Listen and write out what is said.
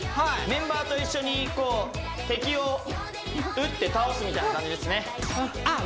メンバーと一緒にこう敵を撃って倒すみたいな感じですねあっ